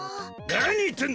何言ってんだ！